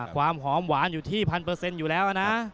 ความหอมหวานอยู่ที่พันเปอร์เซ็นต์อยู่แล้วนะ